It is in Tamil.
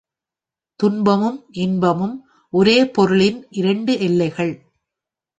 துன்பமும் இன்பமும் ஒரே பொருளின் இரண்டு எல்லைகள்.